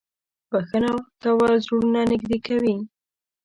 • بښنه کول زړونه نږدې کوي.